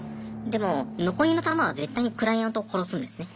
でも残りの弾は絶対にクライアントを殺すんですね。